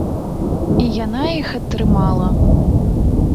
І яна іх атрымала.